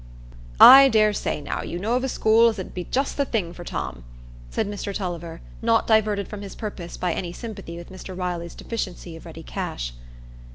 "I dare say, now, you know of a school as 'ud be just the thing for Tom," said Mr Tulliver, not diverted from his purpose by any sympathy with Mr Riley's deficiency of ready cash.